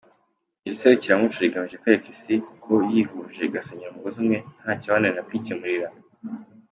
Iri serukiramuco rigamije kwereka Isi ko yihuje igasenyera umugozi umwe nta cyabananira kwikemurira.